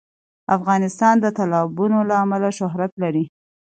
افغانستان د تالابونه له امله شهرت لري.